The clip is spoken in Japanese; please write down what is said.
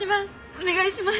お願いします！